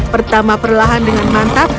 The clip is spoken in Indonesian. pertama perlahan dengan mantap